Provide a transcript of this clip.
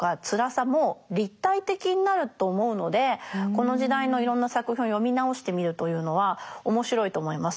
この時代のいろんな作品を読み直してみるというのは面白いと思います。